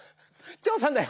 チョーさんだよ。